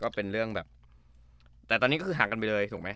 ก็เป็นเรื่องแบบแต่ตอนนี้ก็คือห่างกันไปเลยถูกไหม